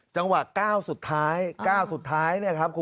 จังหวะ๙สุดท้าย